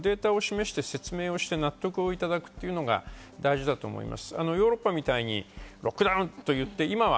データを示して説明をして納得をいただくというのが大事だと思います。